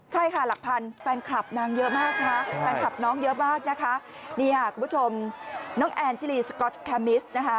หลักพันธุ์